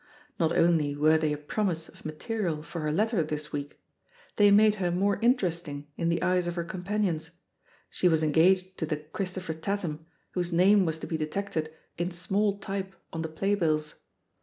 Not only were they a promise of material for her letter this week, they made her more interesting in the eyes of her companions — she was engaged to the Christopher Tatham" whose name was to be detected in small type on the playbills.